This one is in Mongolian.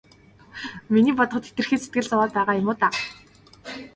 Миний бодоход хэтэрхий сэтгэл зовоод байгаа юм уу даа.